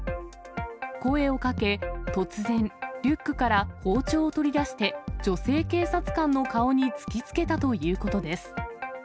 声をかけ、突然、リュックから包丁を取り出して、女性警察官の顔に突きつけたということです。